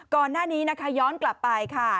ก่อนหน้านี้นะคะย้อนกลับไปค่ะ